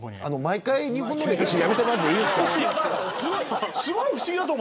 毎回、日本の歴史やめてもらっていいですか。